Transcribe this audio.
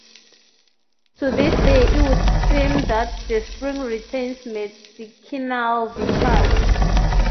To this day it would seem that the spring retains medicinal virtues.